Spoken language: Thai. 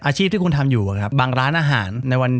อาชีพที่คุณทำอยู่บางร้านอาหาร